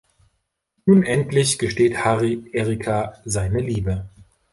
Nun endlich gesteht Harry Erica seine Liebe.